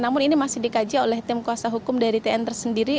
namun ini masih dikaji oleh tim kuasa hukum dari tn tersendiri